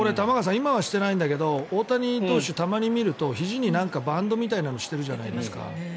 今はしてないけど大谷投手、たまに見るとひじにバンドみたいなのをしているじゃないですか。